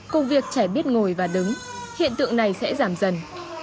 công việc trẻ biết ngồi và đứng hiện tượng này sẽ giảm dần